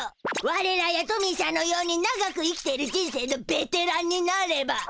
われらやトミーしゃんのように長く生きている人生のベテランになれば。